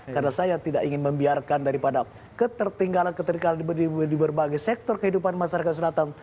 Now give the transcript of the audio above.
karena saya tidak ingin membiarkan daripada ketertinggalan ketertinggalan di berbagai sektor kehidupan masyarakat selatan